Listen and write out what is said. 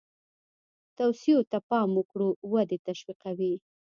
توصیو ته پام وکړو ودې تشویقوي.